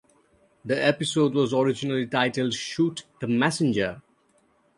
The episode was originally titled "Shoot the Messenger".